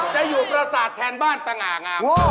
จะอยู่ประสาทแทนบ้านสง่างาม